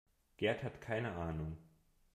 Gerd hat keine Ahnung.